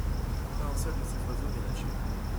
Pas un seul de ces oiseaux n’est lâché.